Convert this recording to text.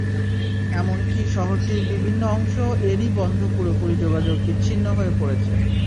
এমনকি শহরটির বিভিন্ন অংশ এরই বন্ধ পুরোপুরি যোগাযোগ বিচ্ছিন্ন হয়ে পড়েছে।